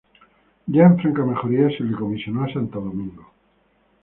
Ya en franca mejoría, se le comisionó a Santo Domingo.